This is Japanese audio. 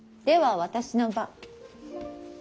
では私の番。